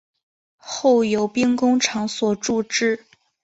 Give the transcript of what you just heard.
后由兵工厂所铸制。